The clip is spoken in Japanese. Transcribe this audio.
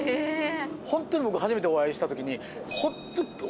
ホントに僕初めてお会いした時に。